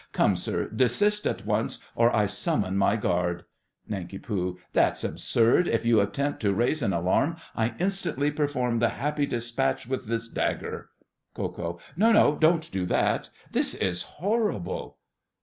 Come, sir, desist at once or I summon my guard. NANK. That's absurd. If you attempt to raise an alarm, I instantly perform the Happy Despatch with this dagger. KO. No, no, don't do that. This is horrible!